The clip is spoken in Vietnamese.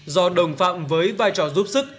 do đồng phạm với vai trò giúp sức